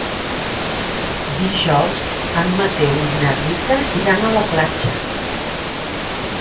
Dijous en Mateu i na Rita iran a la platja.